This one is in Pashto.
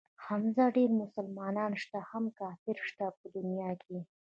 حمزه ډېر مسلمانان شته هم کافر شته په دنيا کښې.